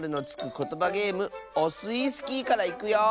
ことばゲームオスイスキーからいくよ。